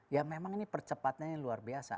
ya memang ini percepatannya luar biasa